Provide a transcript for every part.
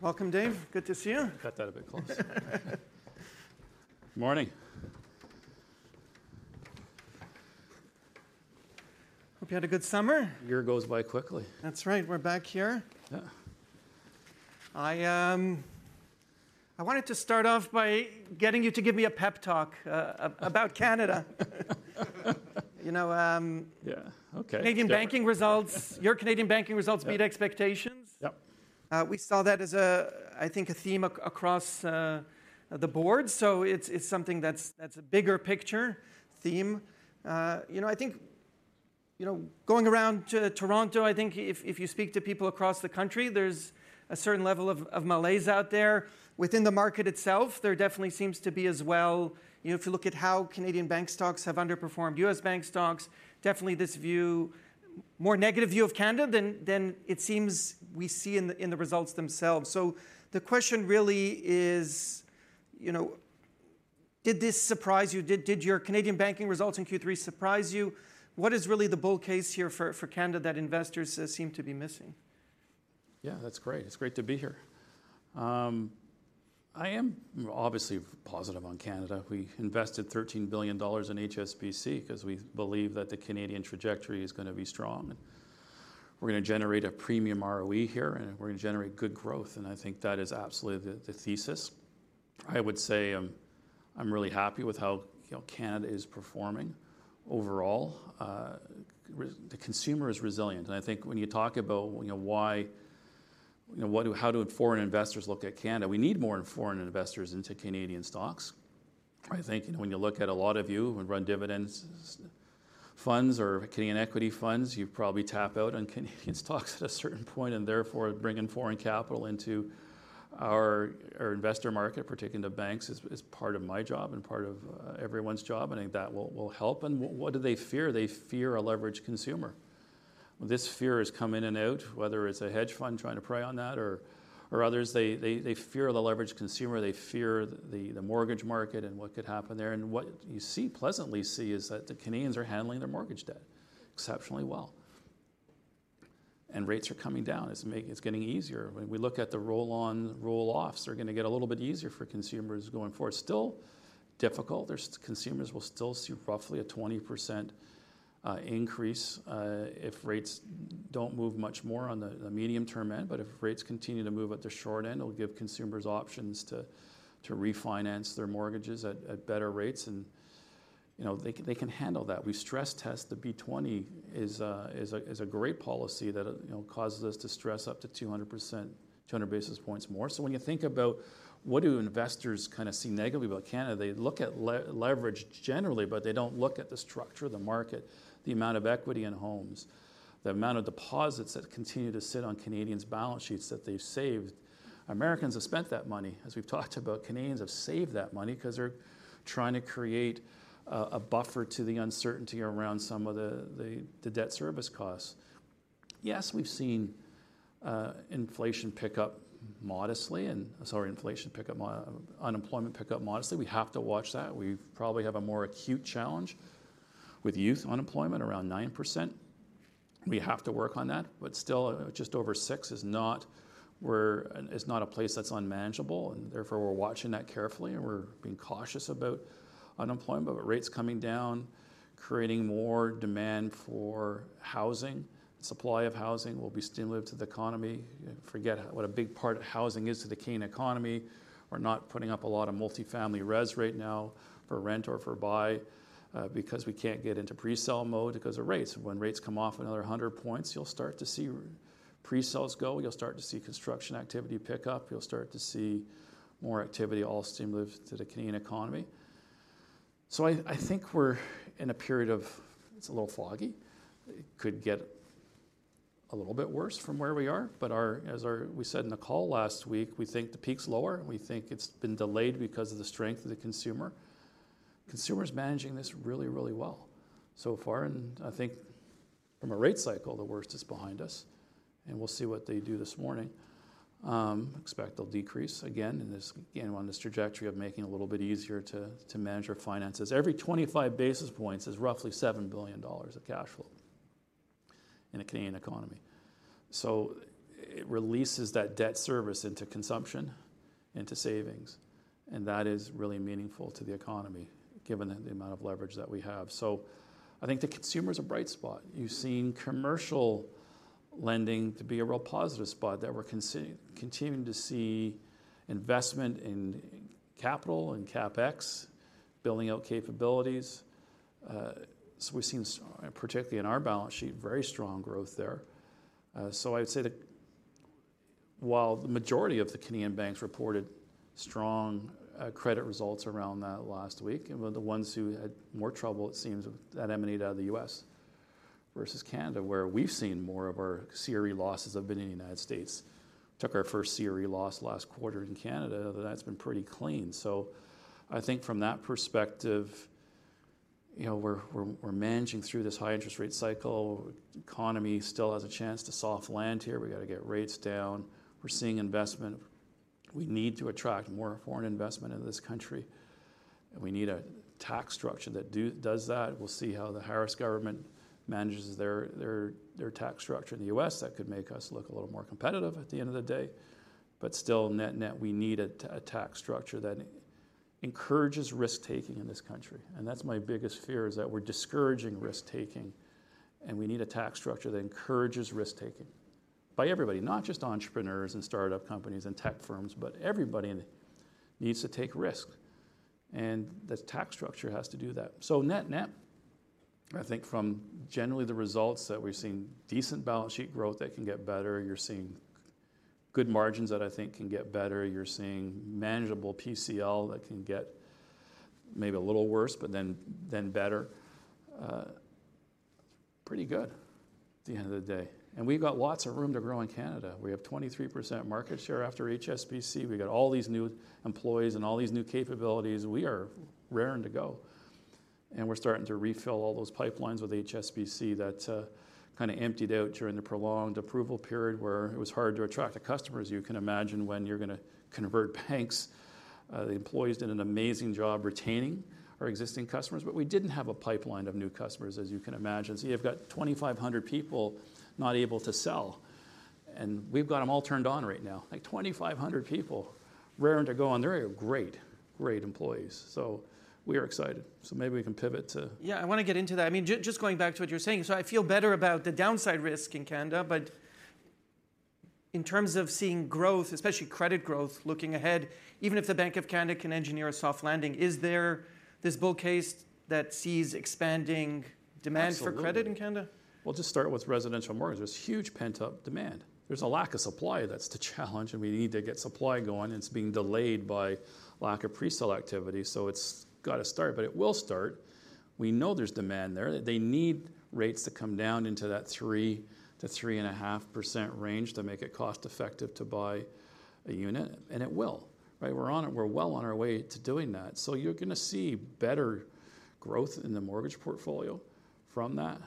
Welcome, Dave. Good to see you. Got that a bit close. Morning! Hope you had a good summer. Year goes by quickly. That's right. We're back here. Yeah. I wanted to start off by getting you to give me a pep talk about Canada. You know Yeah. Okay. Canadian banking results. Your Canadian banking results beat expectations. Yep. We saw that as a, I think, a theme across the board. So it's something that's a bigger picture theme. You know, I think, you know, going around to Toronto, I think if you speak to people across the country, there's a certain level of malaise out there. Within the market itself, there definitely seems to be as well. You know, if you look at how Canadian bank stocks have underperformed U.S. bank stocks, definitely this view more negative view of Canada than it seems we see in the results themselves. So the question really is, you know, did this surprise you? Did your Canadian banking results in Q3 surprise you? What is really the bull case here for Canada that investors seem to be missing? Yeah, that's great. It's great to be here. I am obviously positive on Canada. We invested 13 billion dollars in HSBC 'cause we believe that the Canadian trajectory is gonna be strong, and we're gonna generate a premium ROE here, and we're gonna generate good growth, and I think that is absolutely the thesis. I would say, I'm really happy with how, you know, Canada is performing overall. The consumer is resilient, and I think when you talk about, you know, why, you know, what how do foreign investors look at Canada, we need more foreign investors into Canadian stocks. I think, you know, when you look at a lot of you who run dividends, funds, or Canadian equity funds, you probably tap out on Canadian stocks at a certain point and therefore bringing foreign capital into our investor market, particularly the banks, is part of my job and part of everyone's job, and I think that will help. And what do they fear? They fear a leveraged consumer. This fear has come in and out, whether it's a hedge fund trying to prey on that or others. They, they fear the leveraged consumer. They fear the mortgage market and what could happen there. And what you see, pleasantly see, is that the Canadians are handling their mortgage debt exceptionally well. And rates are coming down. It's getting easier. When we look at the roll-on/roll-offs, they're gonna get a little bit easier for consumers going forward. Still difficult. Consumers will still see roughly a 20% increase if rates don't move much more on the medium-term end. But if rates continue to move at the short end, it'll give consumers options to refinance their mortgages at better rates, and you know, they can handle that. We stress test. The B-20 is a great policy that you know causes us to stress up to 200%, 200 basis points more. So when you think about what do investors kind of see negatively about Canada, they look at leverage generally, but they don't look at the structure of the market, the amount of equity in homes, the amount of deposits that continue to sit on Canadians' balance sheets that they've saved. Americans have spent that money. As we've talked about, Canadians have saved that money 'cause they're trying to create a buffer to the uncertainty around some of the debt service costs. Yes, we've seen inflation pick up modestly. Sorry, unemployment pick up modestly. We have to watch that. We probably have a more acute challenge with youth unemployment, around nine percent. We have to work on that, but still, just over six is not where, it's not a place that's unmanageable, and therefore, we're watching that carefully, and we're being cautious about unemployment. But with rates coming down, creating more demand for housing, supply of housing will be stimulative to the economy. Forget what a big part housing is to the Canadian economy. We're not putting up a lot of multi-family res right now for rent or for buy, because we can't get into pre-sale mode because of rates. When rates come off another hundred points, you'll start to see pre-sales go. You'll start to see construction activity pick up. You'll start to see more activity, all stimulative to the Canadian economy. So I think we're in a period of... it's a little foggy. It could get a little bit worse from where we are, but as we said in the call last week, we think the peak's lower, and we think it's been delayed because of the strength of the consumer. Consumer's managing this really, really well so far, and I think from a rate cycle, the worst is behind us, and we'll see what they do this morning. Expect they'll decrease again, and this, again, on this trajectory of making it a little bit easier to manage our finances. Every 25 basis points is roughly 7 billion dollars of cash flow in the Canadian economy. So it releases that debt service into consumption, into savings, and that is really meaningful to the economy, given the amount of leverage that we have. So I think the consumer is a bright spot. You've seen commercial lending to be a real positive spot, that we're continuing to see investment in capital and CapEx, building out capabilities. So we've seen, particularly in our balance sheet, very strong growth there. So I'd say that while the majority of the Canadian banks reported strong credit results around that last week, and were the ones who had more trouble, it seems, that emanated out of the U.S. versus Canada, where we've seen more of our CRE losses have been in the United States. Took our first CRE loss last quarter in Canada. Other than that, it's been pretty clean. So I think from that perspective, you know, we're managing through this high interest rate cycle. Economy still has a chance to soft land here. We've got to get rates down. We're seeing investment. We need to attract more foreign investment into this country, and we need a tax structure that does that. We'll see how the Harris government manages their tax structure in the U.S. That could make us look a little more competitive at the end of the day. But still, net-net, we need a tax structure that encourages risk-taking in this country, and that's my biggest fear, is that we're discouraging risk-taking, and we need a tax structure that encourages risk-taking. By everybody, not just entrepreneurs, and start-up companies, and tech firms, but everybody in it needs to take risk, and the tax structure has to do that. So net-net, I think from generally the results that we've seen, decent balance sheet growth that can get better. You're seeing good margins that I think can get better. You're seeing manageable PCL that can get maybe a little worse, but then better. Pretty good at the end of the day. And we've got lots of room to grow in Canada. We have 23% market share after HSBC. We've got all these new employees and all these new capabilities. We are raring to go, and we're starting to refill all those pipelines with HSBC that kind of emptied out during the prolonged approval period, where it was hard to attract the customers. You can imagine when you're gonna convert banks. The employees did an amazing job retaining our existing customers, but we didn't have a pipeline of new customers, as you can imagine. So you've got 2,500 people not able to sell, and we've got 'em all turned on right now. Like, 2,500 people raring to go, and they're great, great employees. We are excited. Maybe we can pivot to- Yeah, I wanna get into that. I mean, just going back to what you were saying. So I feel better about the downside risk in Canada, but in terms of seeing growth, especially credit growth, looking ahead, even if the Bank of Canada can engineer a soft landing, is there this bull case that sees expanding demand? Absolutely... for credit in Canada? Just start with residential mortgages. There's huge pent-up demand. There's a lack of supply, that's the challenge, and we need to get supply going, and it's being delayed by lack of pre-sale activity, so it's gotta start, but it will start. We know there's demand there. They need rates to come down into that 3%-3.5% range to make it cost-effective to buy a unit, and it will, right? We're on it. We're well on our way to doing that. So you're gonna see better growth in the mortgage portfolio from that.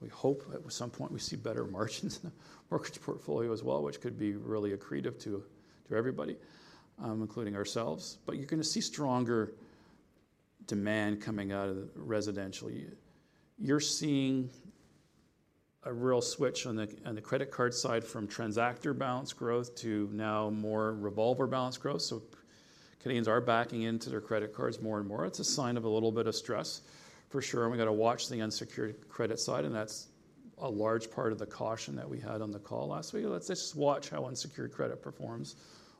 We hope at some point we see better margins in the mortgage portfolio as well, which could be really accretive to everybody, including ourselves. But you're gonna see stronger demand coming out of the residential unit. You're seeing a real switch on the credit card side from transactor balance growth to now more revolver balance growth. So Canadians are backing into their credit cards more and more. It's a sign of a little bit of stress, for sure, and we've gotta watch the unsecured credit side, and that's a large part of the caution that we had on the call last week. Let's just watch how unsecured credit performs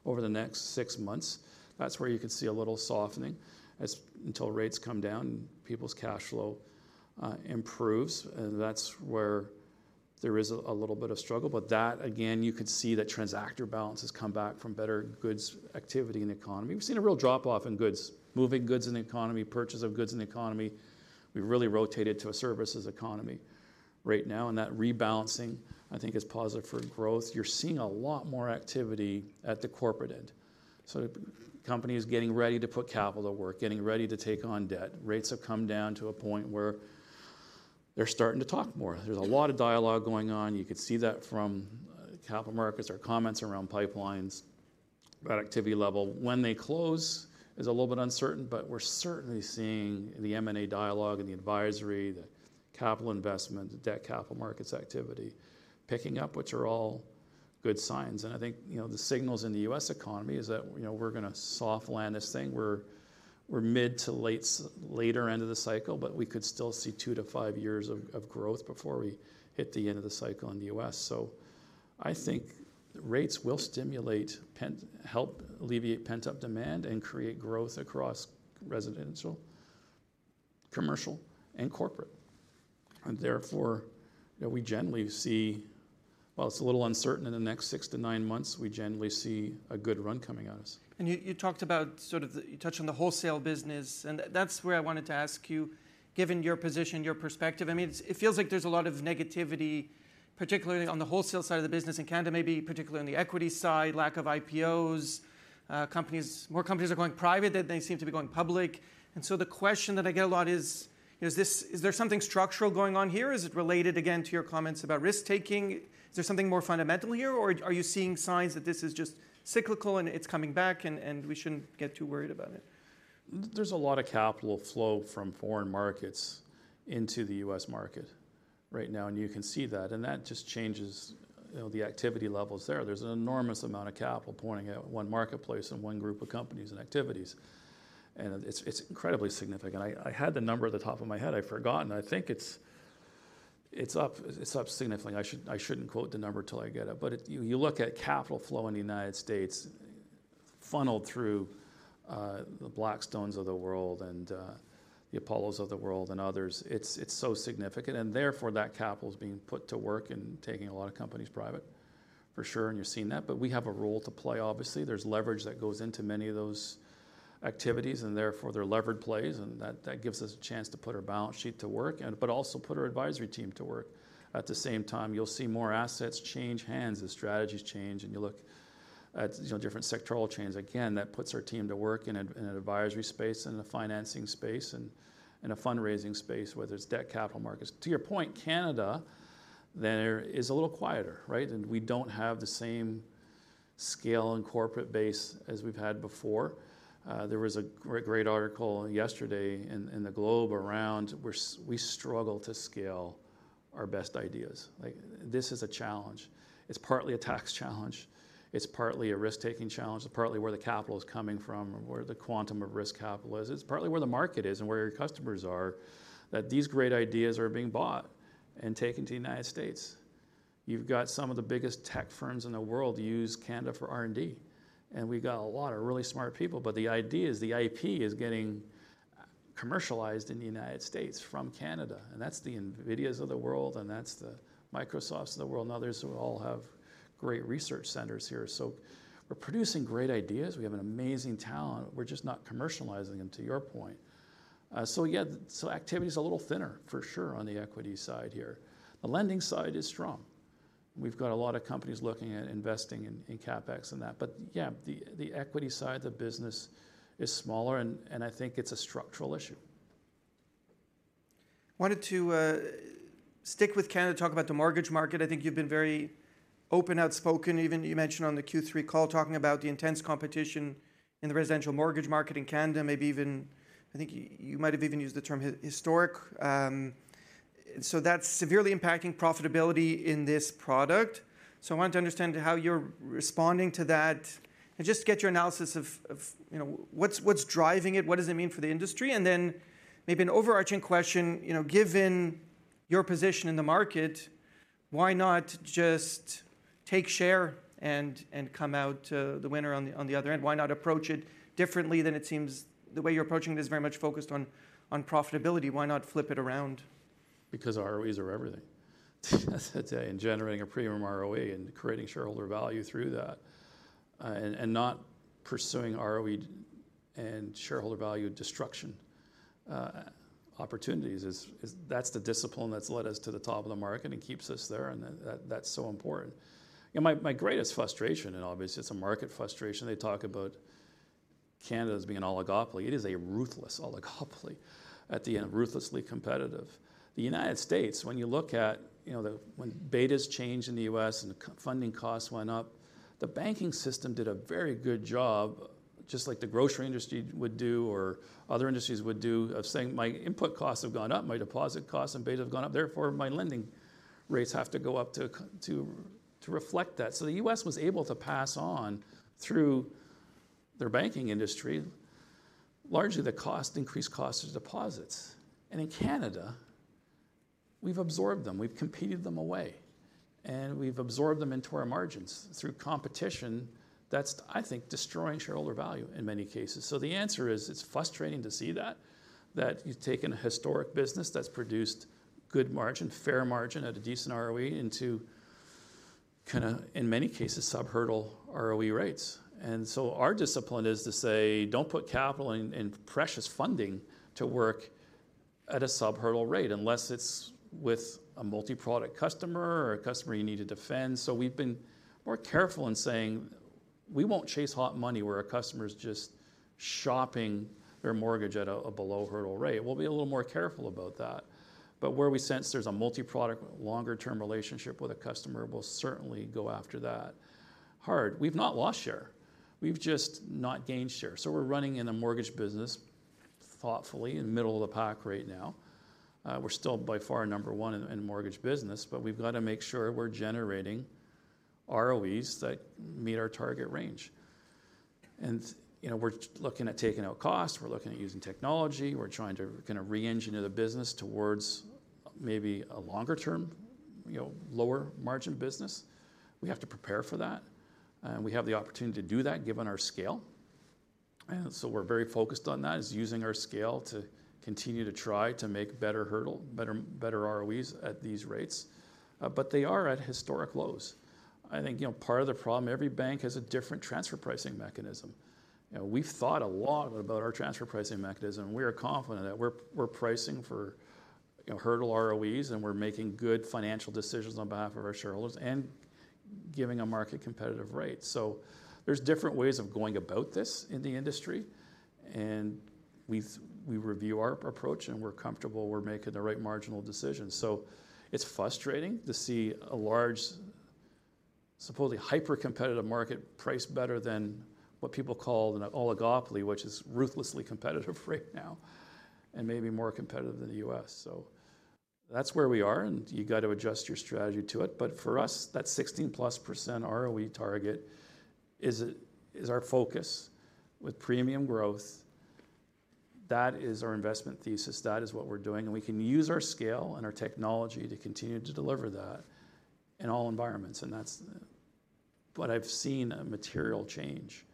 over the next six months. That's where you could see a little softening as... until rates come down and people's cash flow improves, and that's where there is a little bit of struggle. But that, again, you could see the transactor balance has come back from better goods activity in the economy. We've seen a real drop-off in goods, moving goods in the economy, purchase of goods in the economy. We've really rotated to a services economy right now, and that rebalancing, I think, is positive for growth. You're seeing a lot more activity at the corporate end. So companies getting ready to put capital to work, getting ready to take on debt. Rates have come down to a point where they're starting to talk more. There's a lot of dialogue going on. You could see that from capital markets or comments around pipelines, that activity level. When they close is a little bit uncertain, but we're certainly seeing the M&A dialogue and the advisory, the capital investment, the debt capital markets activity picking up, which are all good signs. And I think, you know, the signals in the U.S. economy is that, you know, we're gonna soft land this thing. We're mid to late, later end of the cycle, but we could still see two to five years of growth before we hit the end of the cycle in the U.S., so I think rates will help alleviate pent-up demand and create growth across residential, commercial, and corporate, and therefore, you know, we generally see, while it's a little uncertain in the next six to nine months, we generally see a good run coming at us. And you talked about sort of the... You touched on the wholesale business, and that's where I wanted to ask you, given your position, your perspective. I mean, it feels like there's a lot of negativity, particularly on the wholesale side of the business in Canada, maybe particularly on the equity side, lack of IPOs. Companies, more companies are going private than they seem to be going public. And so the question that I get a lot is: Is there something structural going on here? Is it related again to your comments about risk-taking? Is there something more fundamental here, or are you seeing signs that this is just cyclical, and it's coming back, and we shouldn't get too worried about it? There's a lot of capital flow from foreign markets into the U.S. market right now, and you can see that, and that just changes, you know, the activity levels there. There's an enormous amount of capital pointing at one marketplace and one group of companies and activities, and it's, it's incredibly significant. I, I had the number at the top of my head, I've forgotten. I think it's, it's up, it's up significantly. I should- I shouldn't quote the number till I get it. But if you, you look at capital flow in the United States funneled through, the Blackstones of the world and, the Apollos of the world and others, it's, it's so significant, and therefore, that capital is being put to work and taking a lot of companies private, for sure, and you're seeing that. But we have a role to play obviously. There's leverage that goes into many of those activities, and therefore, they're levered plays, and that gives us a chance to put our balance sheet to work and but also put our advisory team to work. At the same time, you'll see more assets change hands as strategies change, and you look at, you know, different sectoral trends. Again, that puts our team to work in an advisory space, in a financing space, and in a fundraising space, whether it's debt capital markets. To your point, Canada, there is a little quieter, right? And we don't have the same scale and corporate base as we've had before. There was a great article yesterday in The Globe around we struggle to scale our best ideas. Like, this is a challenge. It's partly a tax challenge, it's partly a risk-taking challenge, it's partly where the capital is coming from or where the quantum of risk capital is. It's partly where the market is and where your customers are, that these great ideas are being bought and taken to the United States. You've got some of the biggest tech firms in the world use Canada for R&D, and we've got a lot of really smart people. But the idea is the IP is getting commercialized in the United States from Canada, and that's the NVIDIAs of the world, and that's the Microsofts of the world, and others who all have great research centers here. So we're producing great ideas, we have an amazing talent, we're just not commercializing them, to your point. So yeah, so activity is a little thinner for sure on the equity side here. The lending side is strong. We've got a lot of companies looking at investing in CapEx and that. But yeah, the equity side of the business is smaller, and I think it's a structural issue. Wanted to stick with Canada, talk about the mortgage market. I think you've been very open, outspoken, even you mentioned on the Q3 call, talking about the intense competition in the residential mortgage market in Canada. Maybe even. I think you might have even used the term historic. So that's severely impacting profitability in this product. So I want to understand how you're responding to that and just get your analysis of, you know, what's driving it, what does it mean for the industry? And then maybe an overarching question, you know, given your position in the market, why not just take share and come out the winner on the other end? Why not approach it differently than it seems. The way you're approaching it is very much focused on profitability. Why not flip it around? Because ROEs are everything, today, and generating a premium ROE and creating shareholder value through that, and not pursuing ROE and shareholder value destruction opportunities is. That's the discipline that's led us to the top of the market and keeps us there, and that's so important. You know, my greatest frustration, and obviously it's a market frustration, they talk about Canada as being an oligopoly. It is a ruthless oligopoly at the end, ruthlessly competitive. The United States, when you look at, you know, the... When betas changed in the U.S. and the funding costs went up, the banking system did a very good job, just like the grocery industry would do or other industries would do, of saying: "My input costs have gone up, my deposit costs and beta have gone up, therefore, my lending rates have to go up to reflect that." So the U.S. was able to pass on, through their banking industry, largely the cost, increased cost of deposits. And in Canada, we've absorbed them, we've competed them away, and we've absorbed them into our margins through competition that's, I think, destroying shareholder value in many cases. So the answer is, it's frustrating to see that you've taken a historic business that's produced good margin, fair margin at a decent ROE into kind of, in many cases, sub-hurdle ROE rates. And so our discipline is to say: "Don't put capital and precious funding to work at a sub-hurdle rate unless it's with a multi-product customer or a customer you need to defend." So we've been more careful in saying, "We won't chase hot money where a customer is just shopping their mortgage at a below-hurdle rate." We'll be a little more careful about that. But where we sense there's a multi-product, longer-term relationship with a customer, we'll certainly go after that hard. We've not lost share. We've just not gained share. So we're running in a mortgage business thoughtfully in middle of the pack right now. We're still by far number one in mortgage business, but we've got to make sure we're generating ROEs that meet our target range. You know, we're looking at taking out costs, we're looking at using technology, we're trying to kind of re-engineer the business towards maybe a longer-term, you know, lower-margin business. We have to prepare for that, and we have the opportunity to do that, given our scale. So we're very focused on that, is using our scale to continue to try to make better hurdle, better ROEs at these rates, but they are at historic lows. I think, you know, part of the problem, every bank has a different transfer pricing mechanism. You know, we've thought a lot about our transfer pricing mechanism, and we are confident that we're pricing for, you know, hurdle ROEs, and we're making good financial decisions on behalf of our shareholders and giving a market competitive rate. So there's different ways of going about this in the industry, and we review our approach, and we're comfortable we're making the right marginal decisions. So it's frustrating to see a large, supposedly hyper-competitive market priced better than what people call an oligopoly, which is ruthlessly competitive right now and maybe more competitive than the U.S. So that's where we are, and you got to adjust your strategy to it. But for us, that 16%+ ROE target is our focus with premium growth. That is our investment thesis. That is what we're doing, and we can use our scale and our technology to continue to deliver that in all environments, and that's... But I've seen a material change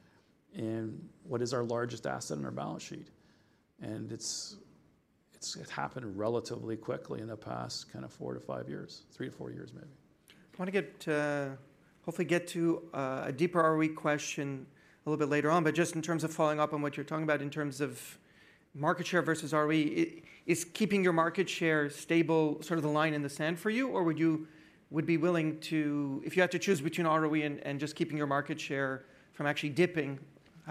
in what is our largest asset on our balance sheet, and it's happened relatively quickly in the past kind of four to five years, three to four years, maybe. I want to get, hopefully get to, a deeper ROE question a little bit later on. But just in terms of following up on what you're talking about in terms of market share versus ROE, is keeping your market share stable sort of the line in the sand for you? Or would you be willing to... If you had to choose between ROE and just keeping your market share from actually dipping, how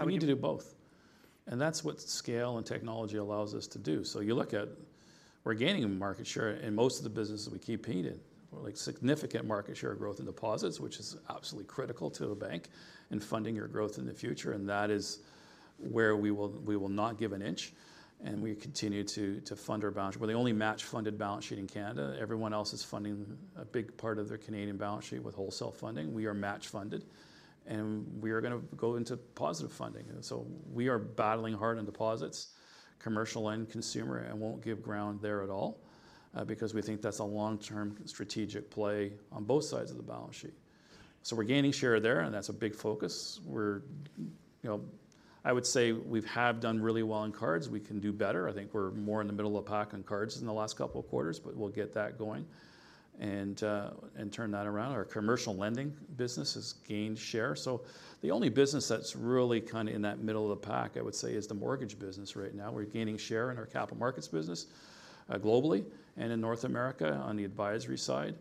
would you- We need to do both, and that's what scale and technology allows us to do. So you look at we're gaining in market share, and most of the businesses we keep gaining. We're like significant market share growth in deposits, which is absolutely critical to a bank and funding your growth in the future, and that is where we will not give an inch, and we continue to fund our balance. We're the only match-funded balance sheet in Canada. Everyone else is funding a big part of their Canadian balance sheet with wholesale funding. We are match-funded, and we are gonna go into positive funding. And so we are battling hard in deposits, commercial and consumer, and won't give ground there at all, because we think that's a long-term strategic play on both sides of the balance sheet. So we're gaining share there, and that's a big focus. We're, you know, I would say we've done really well in cards. We can do better. I think we're more in the middle of the pack on cards in the last couple of quarters, but we'll get that going and turn that around. Our commercial lending business has gained share. The only business that's really kind of in the middle of the pack, I would say, is the mortgage business right now. We're gaining share in our capital markets business globally and in North America on the advisory side.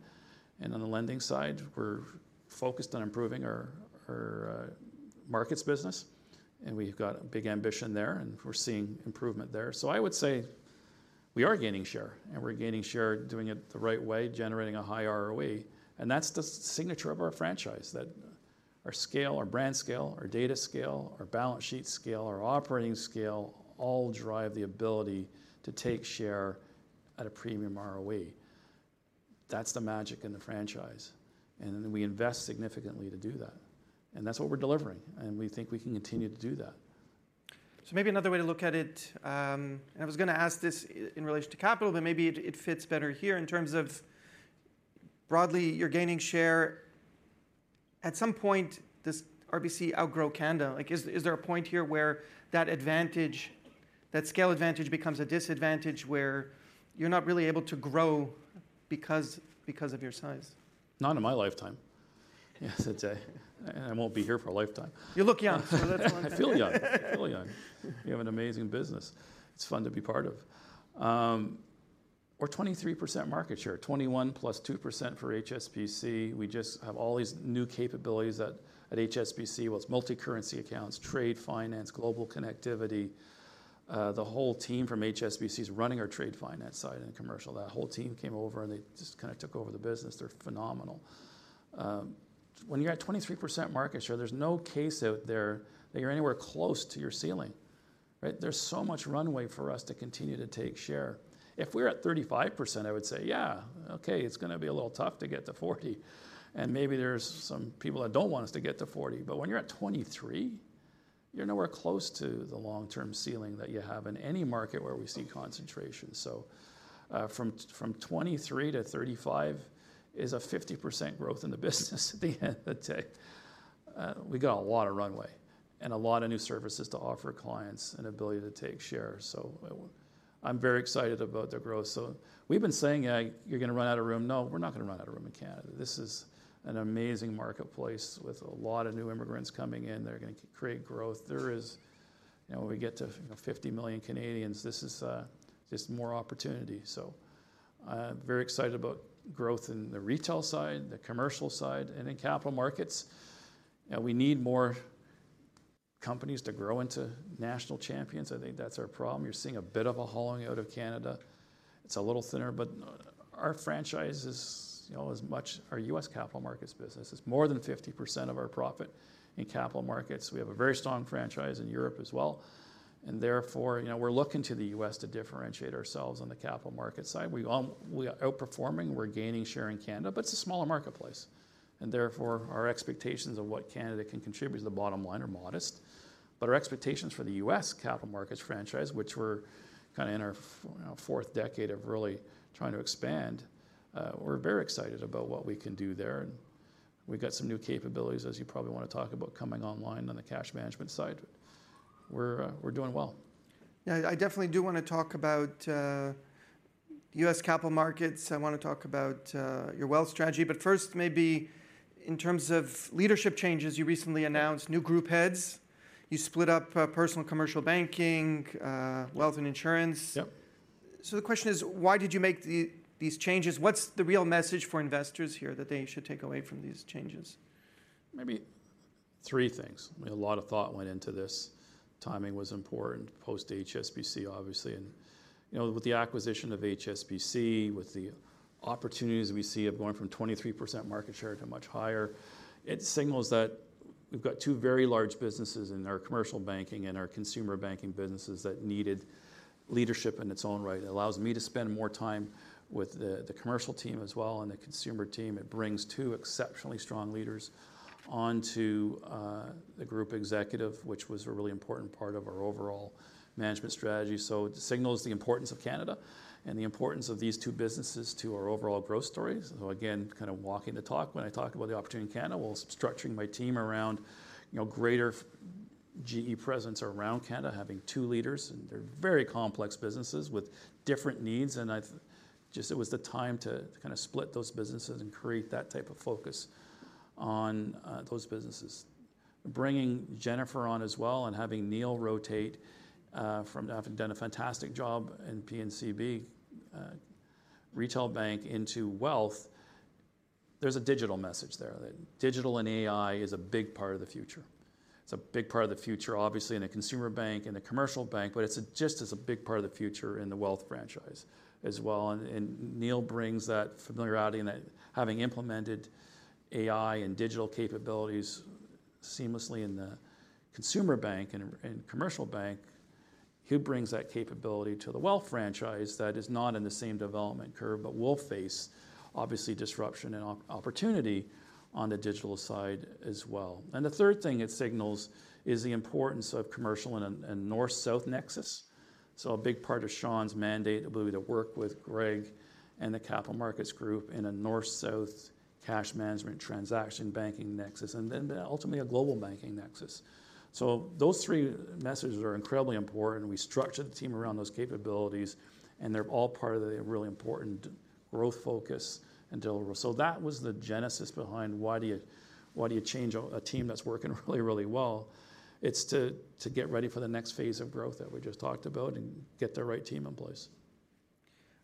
And on the lending side, we're focused on improving our markets business, and we've got big ambition there, and we're seeing improvement there. So I would say we are gaining share, and we're gaining share, doing it the right way, generating a high ROE, and that's the signature of our franchise, that our scale, our brand scale, our data scale, our balance sheet scale, our operating scale, all drive the ability to take share at a premium ROE. That's the magic in the franchise, and then we invest significantly to do that. And that's what we're delivering, and we think we can continue to do that. Maybe another way to look at it. I was gonna ask this in relation to capital, but maybe it fits better here in terms of broadly, you're gaining share. At some point, does RBC outgrow Canada? Like, is there a point here where that advantage, that scale advantage, becomes a disadvantage where you're not really able to grow because of your size? Not in my lifetime. Yes, it's a... and I won't be here for a lifetime. You look young, so that's why. I feel young. I feel young. We have an amazing business. It's fun to be part of. We're 23% market share, 21% + 2% for HSBC. We just have all these new capabilities at HSBC, well, it's multicurrency accounts, trade finance, global connectivity. The whole team from HSBC is running our trade finance side and commercial. That whole team came over, and they just kind of took over the business. They're phenomenal. When you're at 23% market share, there's no case out there that you're anywhere close to your ceiling, right? There's so much runway for us to continue to take share. If we're at 35%, I would say, "Yeah, okay, it's gonna be a little tough to get to 40," and maybe there's some people that don't want us to get to 40. But when you're at 23, you're nowhere close to the long-term ceiling that you have in any market where we see concentration. So from 23-35 is a 50% growth in the business at the end of the day. We got a lot of runway and a lot of new services to offer clients and ability to take share. So I'm very excited about the growth. So we've been saying, "You're gonna run out of room." No, we're not gonna run out of room in Canada. This is an amazing marketplace with a lot of new immigrants coming in. They're gonna create growth. There is. You know, when we get to 50 million Canadians, this is just more opportunity. So I'm very excited about growth in the retail side, the commercial side, and in capital markets. We need more companies to grow into national champions. I think that's our problem. You're seeing a bit of a hollowing out of Canada. It's a little thinner, but our franchise is, you know, as much... Our U.S. capital markets business is more than 50% of our profit in capital markets. We have a very strong franchise in Europe as well, and therefore, you know, we're looking to the U.S. to differentiate ourselves on the capital market side. We are outperforming, we're gaining share in Canada, but it's a smaller marketplace, and therefore, our expectations of what Canada can contribute to the bottom line are modest. But our expectations for the U.S. Capital Markets franchise, which we're kind of in our fourth decade of really trying to expand, we're very excited about what we can do there, and we've got some new capabilities, as you probably want to talk about, coming online on the cash management side. We're doing well. Yeah, I definitely do want to talk about U.S. capital markets. I want to talk about your wealth strategy. But first, maybe in terms of leadership changes, you recently announced- Yeah... new group heads. You split up, Personal & Commercial Banking, wealth and insurance. Yep. So the question is: Why did you make these changes? What's the real message for investors here that they should take away from these changes? Maybe three things. A lot of thought went into this. Timing was important, post HSBC, obviously, and, you know, with the acquisition of HSBC, with the opportunities we see of going from 23% market share to much higher, it signals that we've got two very large businesses in our commercial banking and our consumer banking businesses that needed leadership in its own right. It allows me to spend more time with the commercial team as well and the consumer team. It brings two exceptionally strong leaders onto the Group Executive, which was a really important part of our overall management strategy, so it signals the importance of Canada and the importance of these two businesses to our overall growth stories. So again, kind of walking the talk when I talk about the opportunity in Canada while structuring my team around, you know, greater geographic presence around Canada, having two leaders, and they're very complex businesses with different needs. And I just, it was the time to kind of split those businesses and create that type of focus on those businesses. Bringing Jennifer on as well and having Neil rotate. Having done a fantastic job in P&CB, retail bank into wealth. There's a digital message there, that digital and AI is a big part of the future. It's a big part of the future, obviously, in a consumer bank, in a commercial bank, but it's just as a big part of the future in the wealth franchise as well. Neil brings that familiarity and that having implemented AI and digital capabilities seamlessly in the consumer bank and commercial bank. He brings that capability to the wealth franchise that is not in the same development curve, but will face obviously disruption and opportunity on the digital side as well. The third thing it signals is the importance of commercial and north-south nexus. A big part of Sean's mandate will be to work with Greg and the capital markets group in a north-south cash management transaction banking nexus, and then ultimately a global banking nexus. Those three messages are incredibly important. We structured the team around those capabilities, and they're all part of the really important growth focus and delivery. That was the genesis behind why do you change a team that's working really, really well? It's to get ready for the next phase of growth that we just talked about and get the right team in place.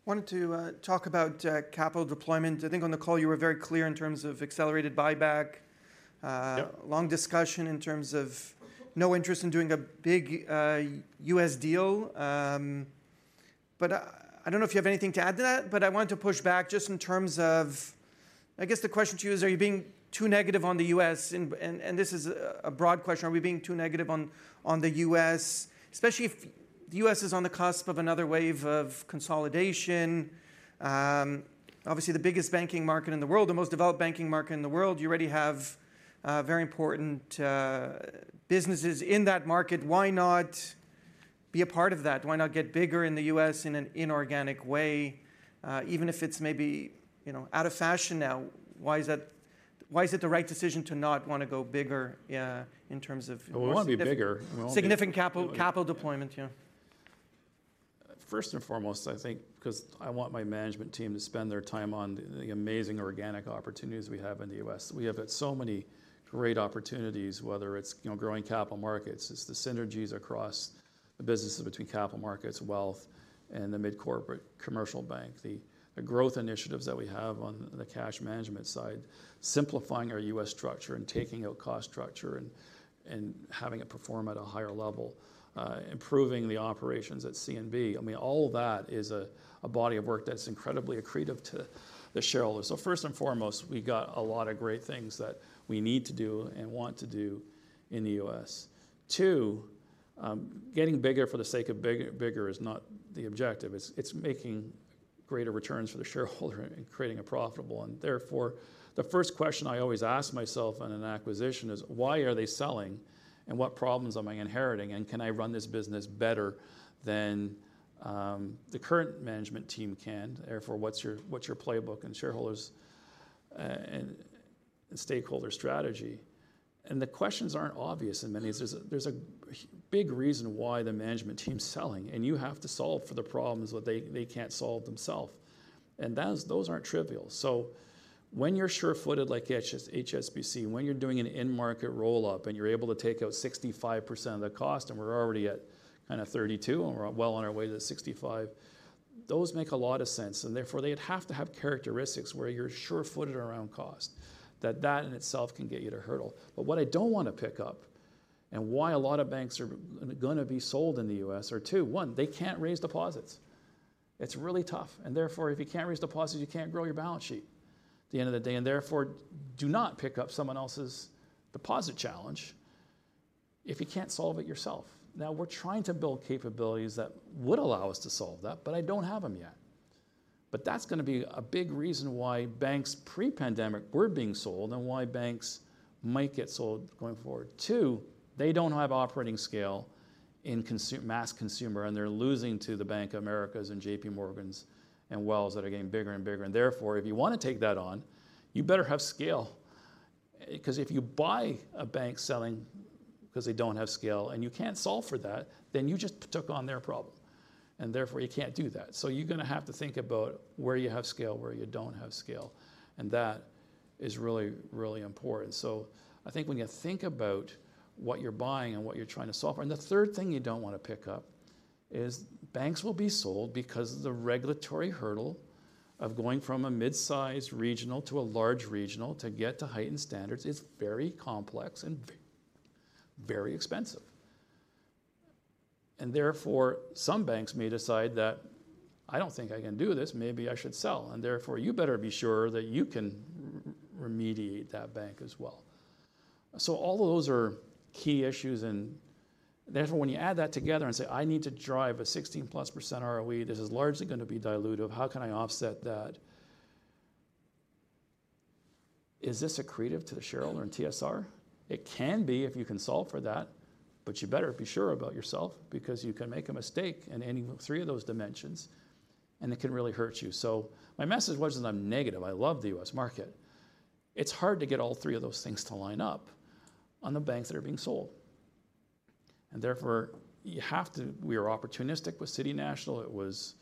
I wanted to talk about capital deployment. I think on the call you were very clear in terms of accelerated buyback. Yep. Long discussion in terms of no interest in doing a big U.S. deal. I don't know if you have anything to add to that, but I wanted to push back just in terms of. I guess the question to you is, are you being too negative on the U.S.? This is a broad question: Are we being too negative on the U.S., especially if the U.S. is on the cusp of another wave of consolidation? Obviously, the biggest banking market in the world, the most developed banking market in the world, you already have very important businesses in that market. Why not be a part of that? Why not get bigger in the U.S. in an inorganic way, even if it's maybe, you know, out of fashion now? Why is it the right decision to not want to go bigger, yeah, in terms of- We want to be bigger. Significant capital, capital deployment, yeah. First and foremost, I think because I want my management team to spend their time on the amazing organic opportunities we have in the U.S. We have so many great opportunities, whether it's, you know, growing capital markets, it's the synergies across the businesses between capital markets, wealth, and the mid-corporate commercial bank. The growth initiatives that we have on the cash management side, simplifying our U.S. structure and taking out cost structure and having it perform at a higher level, improving the operations at CNB. I mean, all of that is a body of work that's incredibly accretive to the shareholders. So first and foremost, we got a lot of great things that we need to do and want to do in the U.S. Two, getting bigger for the sake of big-bigger is not the objective. It's making greater returns for the shareholder and creating a profitable. Therefore, the first question I always ask myself on an acquisition is: Why are they selling? What problems am I inheriting? Can I run this business better than the current management team can? Therefore, what's your playbook and shareholders and stakeholder strategy? The questions aren't obvious in many ways. There's a big reason why the management team's selling, and you have to solve for the problems that they can't solve themselves, and those aren't trivial. When you're sure-footed like HSBC, and when you're doing an in-market roll-up, and you're able to take out 65% of the cost, and we're already at kind of 32%, and we're well on our way to the 65%, those make a lot of sense. Therefore, they'd have to have characteristics where you're sure-footed around cost, that that in itself can get you to hurdle. But what I don't want to pick up, and why a lot of banks are gonna be sold in the U.S. are two: One, they can't raise deposits. It's really tough, and therefore, if you can't raise deposits, you can't grow your balance sheet at the end of the day. Therefore, do not pick up someone else's deposit challenge if you can't solve it yourself. Now, we're trying to build capabilities that would allow us to solve that, but I don't have them yet. That's gonna be a big reason why banks pre-pandemic were being sold and why banks might get sold going forward. Two, they don't have operating scale in consumer mass consumer, and they're losing to the Bank of America and JPMorgan and Wells Fargo that are getting bigger and bigger. And therefore, if you want to take that on, you better have scale. Because if you buy a bank selling because they don't have scale and you can't solve for that, then you just took on their problem, and therefore you can't do that. So you're gonna have to think about where you have scale, where you don't have scale, and that is really, really important. So I think when you think about what you're buying and what you're trying to solve. And the third thing you don't want to pick up is banks will be sold because of the regulatory hurdle of going from a mid-sized regional to a large regional to get to heightened standards. It's very complex and very expensive, and therefore, some banks may decide that, "I don't think I can do this. Maybe I should sell," and therefore, you better be sure that you can remediate that bank as well, so all of those are key issues, and therefore, when you add that together and say, "I need to drive a 16%+ ROE, this is largely going to be dilutive. How can I offset that? Is this accretive to the shareholder and TSR?" It can be if you can solve for that, but you better be sure about yourself because you can make a mistake in any three of those dimensions, and it can really hurt you, so my message wasn't I'm negative. I love the U.S. market. It's hard to get all three of those things to line up on the banks that are being sold, and therefore, you have to. We are opportunistic with City National. It was,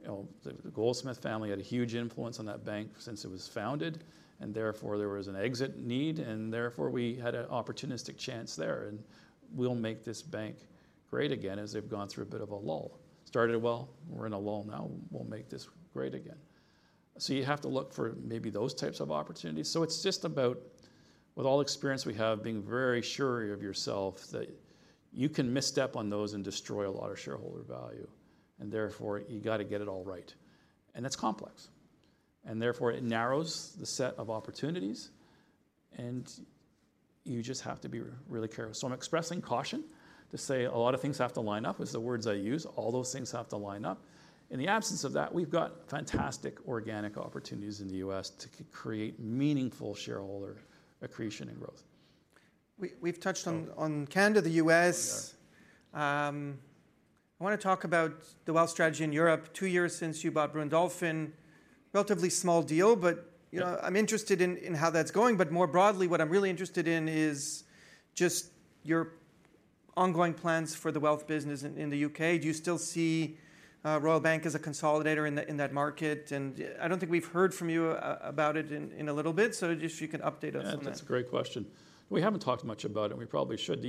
you know, the Goldsmith family had a huge influence on that bank since it was founded, and therefore, there was an exit need, and therefore, we had an opportunistic chance there, and we'll make this bank great again as they've gone through a bit of a lull. Started well, we're in a lull now, we'll make this great again. So you have to look for maybe those types of opportunities. So it's just about, with all experience we have, being very sure of yourself, that you can misstep on those and destroy a lot of shareholder value, and therefore, you gotta get it all right. That's complex, and therefore, it narrows the set of opportunities, and you just have to be really careful. So I'm expressing caution to say a lot of things have to line up, is the words I use. All those things have to line up. In the absence of that, we've got fantastic organic opportunities in the U.S. to create meaningful shareholder accretion and growth. We've touched on Canada, the U.S. We are. I wanna talk about the wealth strategy in Europe. Two years since you bought Brewin Dolphin. Relatively small deal, but- Yeah... you know, I'm interested in how that's going. But more broadly, what I'm really interested in is just your ongoing plans for the wealth business in the U.K. Do you still see Royal Bank as a consolidator in that market? And I don't think we've heard from you about it in a little bit, so just if you could update us on that. Yeah, that's a great question. We haven't talked much about it, and we probably should.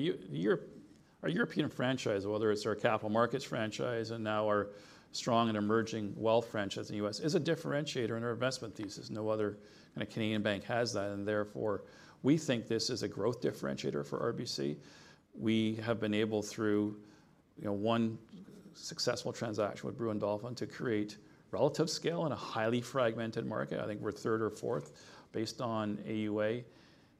Our European franchise, whether it's our capital markets franchise, and now our strong and emerging wealth franchise in the U.S., is a differentiator in our investment thesis. No other kind of Canadian bank has that, and therefore, we think this is a growth differentiator for RBC. We have been able, through, you know, one successful transaction with Brewin Dolphin, to create relative scale in a highly fragmented market. I think we're third or fourth, based on AUA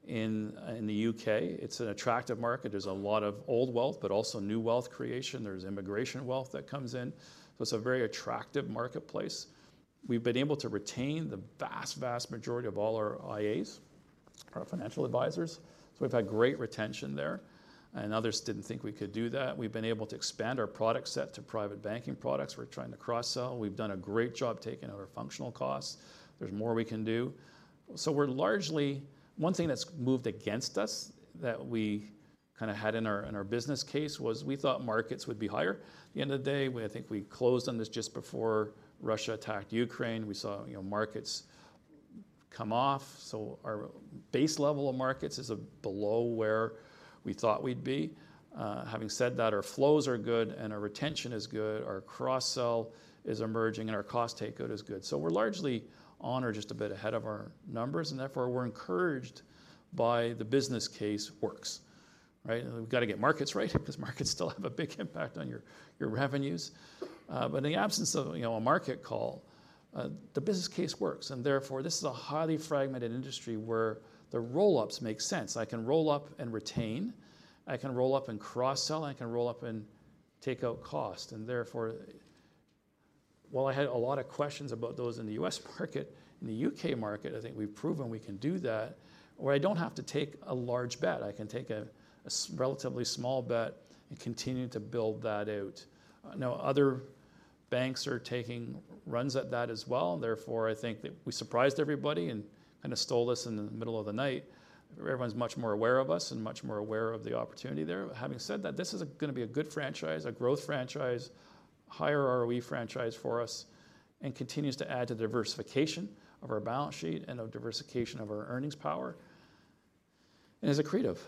in the U.K. It's an attractive market. There's a lot of old wealth, but also new wealth creation. There's immigration wealth that comes in, so it's a very attractive marketplace. We've been able to retain the vast, vast majority of all our IAs, our financial advisors, so we've had great retention there, and others didn't think we could do that. We've been able to expand our product set to private banking products. We're trying to cross-sell. We've done a great job taking out our functional costs. There's more we can do. So we're largely. One thing that's moved against us, that we kind of had in our business case, was we thought markets would be higher. At the end of the day, we. I think we closed on this just before Russia attacked Ukraine. We saw, you know, markets come off. So our base level of markets is below where we thought we'd be. Having said that, our flows are good and our retention is good, our cross-sell is emerging, and our cost takeout is good. So we're largely on or just a bit ahead of our numbers, and therefore, we're encouraged by the business case works, right? We've got to get markets right because markets still have a big impact on your revenues. But in the absence of, you know, a market call, the business case works, and therefore, this is a highly fragmented industry where the roll-ups make sense. I can roll up and retain, I can roll up and cross-sell, I can roll up and take out cost. And therefore, while I had a lot of questions about those in the U.S. market, in the U.K. market, I think we've proven we can do that, where I don't have to take a large bet. I can take a relatively small bet and continue to build that out. I know other banks are taking runs at that as well, and therefore, I think that we surprised everybody and kind of stole this in the middle of the night, where everyone's much more aware of us and much more aware of the opportunity there. Having said that, this is gonna be a good franchise, a growth franchise, higher ROE franchise for us, and continues to add to the diversification of our balance sheet and of diversification of our earnings power, and is accretive.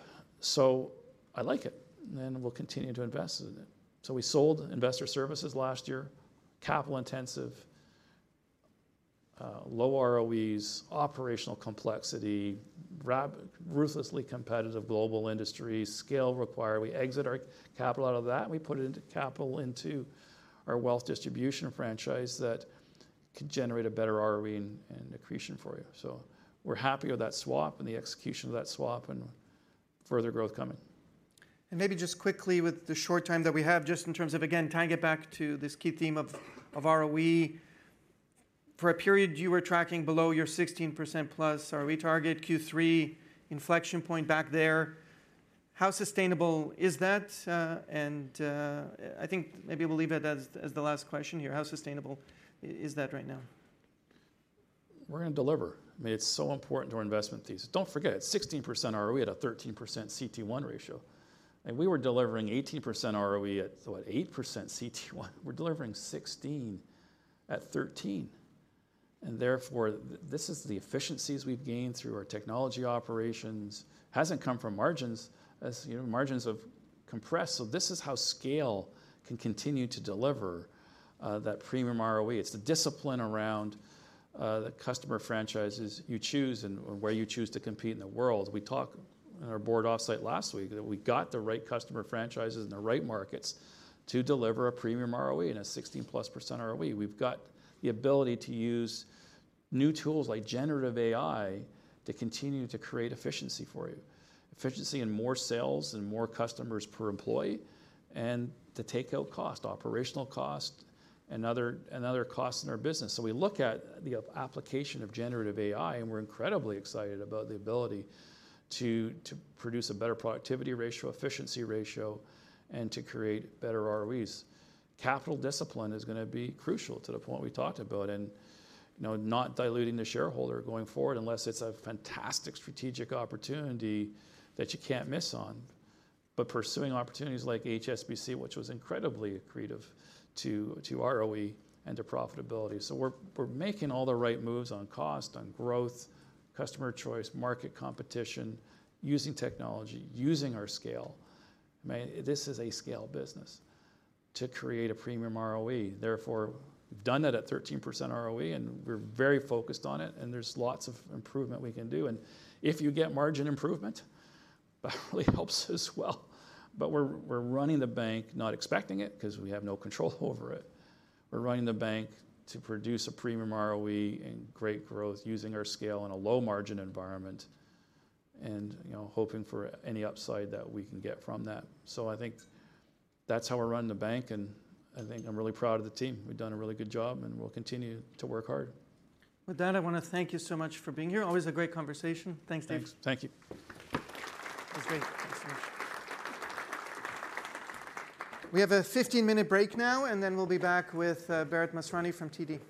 So I like it, and we'll continue to invest in it. So we sold Investor Services last year: capital intensive, low ROEs, operational complexity, ruthlessly competitive global industry, skill required. We exit our capital out of that, and we put it into capital into our wealth distribution franchise that could generate a better ROE and accretion for you. So we're happy with that swap and the execution of that swap and further growth coming. Maybe just quickly, with the short time that we have, just in terms of, again, tying it back to this key theme of, of ROE. For a period, you were tracking below your 16%+ ROE target, Q3 inflection point back there. How sustainable is that? I think maybe we'll leave it as the last question here: How sustainable is that right now? We're gonna deliver. I mean, it's so important to our investment thesis. Don't forget, it's 16% ROE at a 13% CET1 ratio, and we were delivering 18% ROE at, what, 8% CET1? We're delivering 16% at 13%, and therefore, this is the efficiencies we've gained through our technology operations. Hasn't come from margins, as, you know, margins have compressed. So this is how scale can continue to deliver that premium ROE. It's the discipline around the customer franchises you choose and/or where you choose to compete in the world. We talked in our board offsite last week, that we've got the right customer franchises in the right markets to deliver a premium ROE and a 16%+ ROE. We've got the ability to use new tools like generative AI to continue to create efficiency for you. Efficiency in more sales and more customers per employee, and to take out cost, operational cost, and other costs in our business. So we look at the application of Generative AI, and we're incredibly excited about the ability to produce a better productivity ratio, efficiency ratio, and to create better ROEs. Capital discipline is gonna be crucial to the point we talked about and, you know, not diluting the shareholder going forward, unless it's a fantastic strategic opportunity that you can't miss on. But pursuing opportunities like HSBC, which was incredibly accretive to ROE and to profitability. So we're making all the right moves on cost, on growth, customer choice, market competition, using technology, using our scale. I mean, this is a scale business, to create a premium ROE. Therefore, we've done that at 13% ROE, and we're very focused on it, and there's lots of improvement we can do, and if you get margin improvement, that really helps as well, but we're running the bank, not expecting it, because we have no control over it. We're running the bank to produce a premium ROE and great growth using our scale in a low-margin environment and, you know, hoping for any upside that we can get from that, so I think that's how we're running the bank, and I think I'm really proud of the team. We've done a really good job, and we'll continue to work hard. With that, I want to thank you so much for being here. Always a great conversation. Thanks, Dave. Thanks. Thank you. It was great. Thanks so much. We have a 15-minute break now, and then we'll be back with Bharat Masrani from TD.